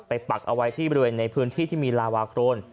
ปักเอาไว้ที่บริเวณในพื้นที่ที่มีลาวาโครน